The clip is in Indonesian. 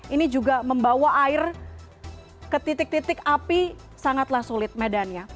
ini juga membawa air ke titik titik api sangatlah sulit medannya